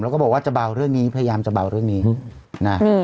แล้วก็บอกว่าจะเบาเรื่องนี้พยายามจะเบาเรื่องนี้นะ